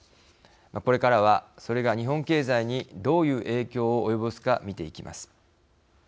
これからは、それが日本経済にどういう影響を及ぼすか見ていきます。